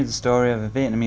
chúng tôi đã cho các bạn thấy